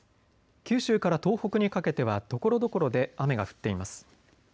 九州から東北にかけてはところどころで雨が降っています。